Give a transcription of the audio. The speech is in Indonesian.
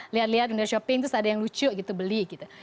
lihat lihat udah shopping terus ada yang lucu gitu beli gitu